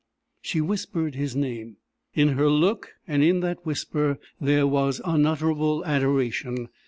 She whispered his name. In her look and in that whisper there was unutterable adoration.